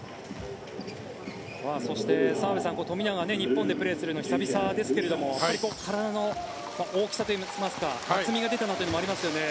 そして、澤部さん富永は日本でプレーするのは久々ですが体の大きさといいますか厚みが出たというのもありますよね。